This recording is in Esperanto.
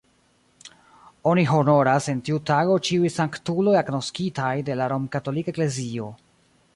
Oni honoras en tiu tago ĉiuj sanktuloj agnoskitaj de la romkatolika eklezio.